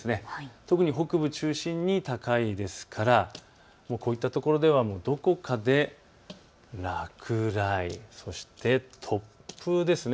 特に北部を中心に高いですからこういった所では、どこかで落雷、そして突風ですね。